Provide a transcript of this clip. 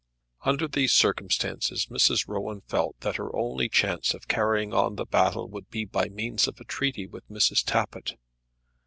Under these circumstances Mrs. Rowan felt that her only chance of carrying on the battle would be by means of a treaty with Mrs. Tappitt.